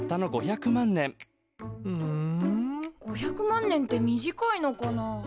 ５００万年って短いのかな？